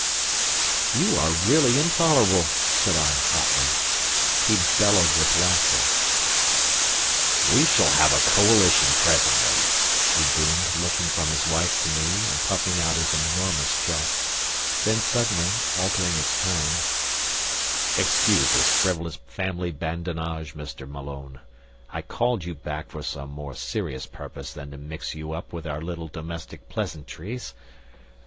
"You are really intolerable!" said I, hotly. He bellowed with laughter. "We shall have a coalition presently," he boomed, looking from his wife to me and puffing out his enormous chest. Then, suddenly altering his tone, "Excuse this frivolous family badinage, Mr. Malone. I called you back for some more serious purpose than to mix you up with our little domestic pleasantries.